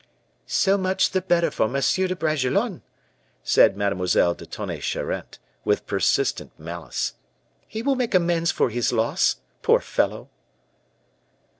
"So much the better for M. de Bragelonne," said Mademoiselle de Tonnay Charente, with persistent malice. "He will make amends for his loss. Poor fellow!"